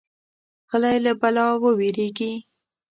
غلی، له بلا ووېریږي.